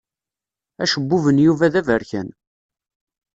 Acebbub n Yuba d aberkan.